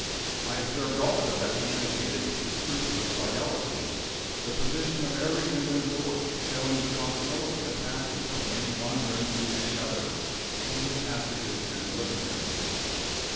I observed also that he indicated with scrupulous fidelity the position of every window and door, showing the possibility of passing from any one room to any other, through the passages and the living room.